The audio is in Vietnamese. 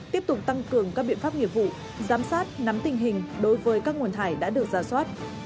tiếp tục tăng cường các biện pháp nghiệp vụ giám sát nắm tình hình đối với các nguồn thải đã được giả soát